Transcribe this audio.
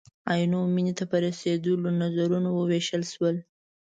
عینو مېنې ته په رسېدلو نظرونه ووېشل شول.